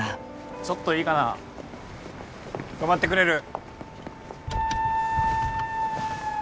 ちょっといいかな止まってくれる？